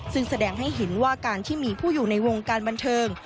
ซึ่งแสดงให้เห็นว่าการที่มีผู้อยู่ในวงการบันเทิง